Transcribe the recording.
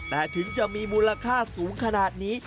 แต่ถึงจะมีมูลค่าสูงขนาดนี้